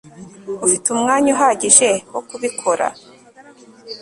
ufite umwanya uhagije wo kubikora